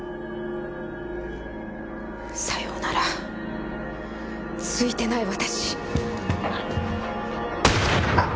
さようならツイてない私。